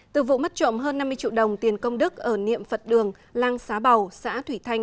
từ vụ mất trộm hơn năm mươi triệu đồng tiền công đức ở niệm phật đường lang xá bầu xã thủy thanh